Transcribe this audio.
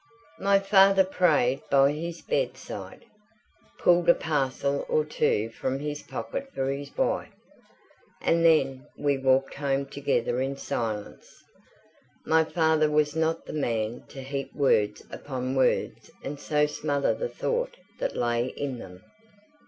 My father prayed by his bedside, pulled a parcel or two from his pocket for his wife, and then we walked home together in silence. My father was not the man to heap words upon words and so smother the thought that lay in them.